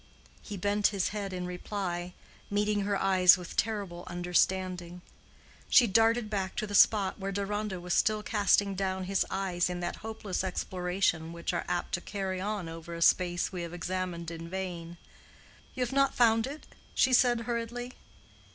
He bent his head in reply, meeting her eyes with terrible understanding. She darted back to the spot where Deronda was still casting down his eyes in that hopeless exploration which we are apt to carry on over a space we have examined in vain. "You have not found it?" she said, hurriedly.